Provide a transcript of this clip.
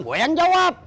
gue yang jawab